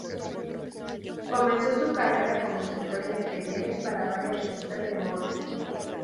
Comenzó su carrera como escritor independiente para varias revistas de moda.